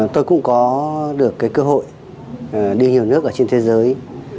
tôi cũng có được cơ hội đi nhiều nước trên thế giới